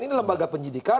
ini lembaga penyidikan